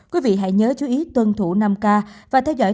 quý vị hãy nhớ chú ý tuân thủ năm k và theo dõi